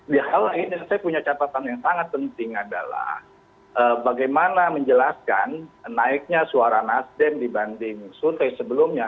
di hal ini saya punya catatan yang sangat penting adalah bagaimana menjelaskan naiknya suara nasdem dibanding survei sebelumnya